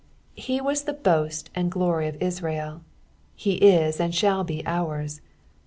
He was the boast and glory of Israel, he is and shall be ours.